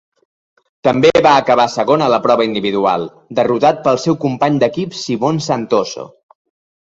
També va acabar segon a la prova individual, derrotat pel seu company d'equip Simon Santoso.